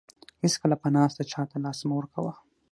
هیڅکله په ناسته چاته لاس مه ورکوه.